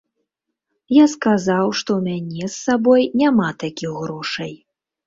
Я сказаў, што ў мяне з сабой няма такіх грошай.